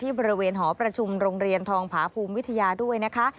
บริเวณหอประชุมโรงเรียนทองผาภูมิวิทยาด้วยนะคะ